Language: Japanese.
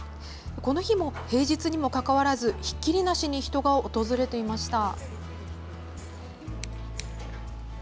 この日も、平日にも関わらずひっきりなしに人が訪れていました。